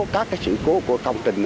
các cái sự cố của công trình